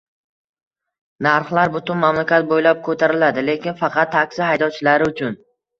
Narxlar butun mamlakat bo'ylab ko'tariladi, lekin faqat taksi haydovchilari uchun